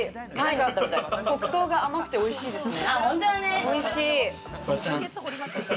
黒糖が甘くておいしいですね。